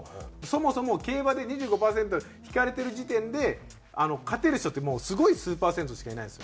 そもそも競馬で２５パーセント引かれてる時点で勝てる人ってもうすごい数パーセントしかいないんですよ。